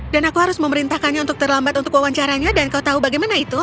dan aku harus memerintahkannya untuk terlambat untuk wawancaranya dan kau tahu bagaimana itu